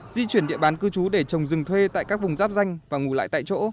di chuyển địa bán cư trú để trồng rừng thuê tại các vùng giáp danh và ngủ lại tại chỗ